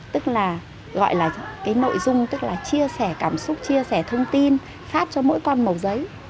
tức là gọi là cái nội dung tức là chia sẻ cảm xúc chia sẻ thông tin phát cho mỗi con màu giấy